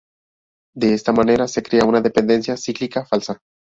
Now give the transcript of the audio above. De esta manera, se crea una dependencia cíclica falsa.